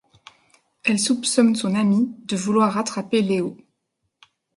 Elle soupçonne son amie de vouloir rattraper Leo...